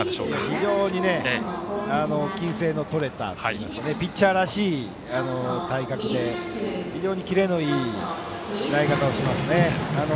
非常に均整のとれたピッチャーらしい体格で非常にキレのいい投げ方をします。